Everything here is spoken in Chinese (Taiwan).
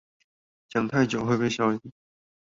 講太久會被消音